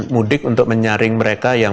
mudik untuk menyaring mereka yang